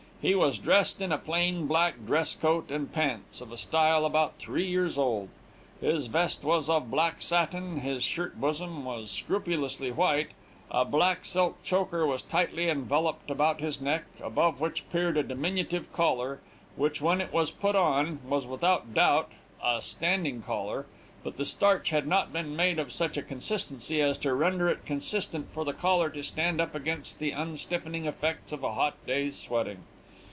He was dressed in a plain black dress coat and pants, of a style about three years old. His vest was of black satin, his shirt bosom was scrupulously white; a black silk choker was tightly enveloped about his neck, above which peered a diminutive collar, which, when it was put on, was without doubt a standing collar, but the starch had not been made of such a consistency as to render it consistent for the collar to stand up against the unstiffening effects of a hot day's sweating.